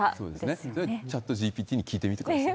それはチャットＧＰＴに聞いてみてください。